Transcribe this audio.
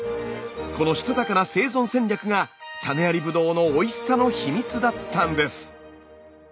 このしたたかな生存戦略が種ありブドウのおいしさの秘密だったんです。